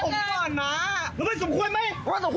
มึงแหลงใช่ไหม